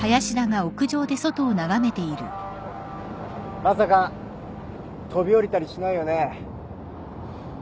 ・まさか飛び降りたりしないよね？